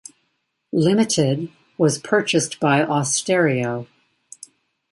Limited, was purchased by Austereo.